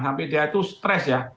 sampai dia tuh stres ya